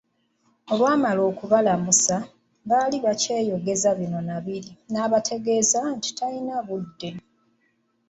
Olwamala okubalamusa, baali bakyeyogezayogeza bino na biri n'abategeeza nti yali talina budde.